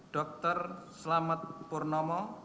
dokter selamat purnomo